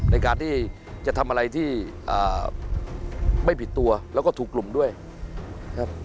ในการที่จะทำอะไรที่ไม่ผิดตัวแล้วก็ถูกกลุ่มด้วยครับ